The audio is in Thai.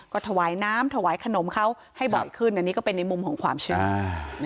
ก็ถวายน้ำถวายขนมเขาให้บ่อยขึ้นอันนี้ก็เป็นในมุมของความเชื่อ